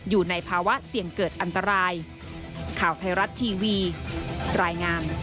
อยู่ในภาวะเสี่ยงเกิดอันตราย